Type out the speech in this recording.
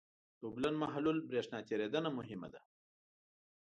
د اوبلن محلول برېښنا تیریدنه مهمه ده.